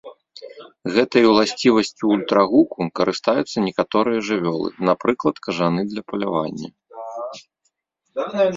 Гэтай уласцівасцю ультрагуку карыстаюцца некаторыя жывёлы, напрыклад, кажаны для палявання.